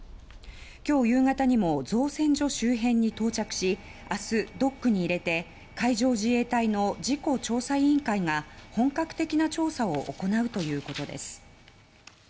今日夕方にも造船所周辺に到着し明日ドックに入れて海上自衛隊の事故調査委員会が本格的な調査を行うということです。